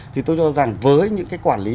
thì tôi cho rằng với những cái quản lý